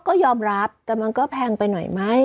ก็ยอมรับแต่มันก็แพงไปหน่อยไหม